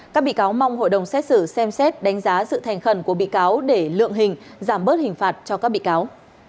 các bị cáo mong hội đồng xét xử xem xét đánh giá sự thành khẩn của bị cáo để lượng hình giảm bớt hình phạt cho các bị cáo